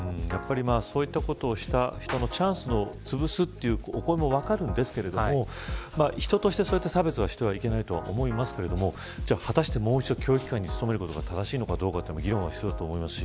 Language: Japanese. そういったことをした人のチャンスをつぶすということも分かりますが人として差別をしてはいけないと思いますけれども果たしてもう一度教育機関に勤めることが正しいのかどうかの議論は必要だと思います。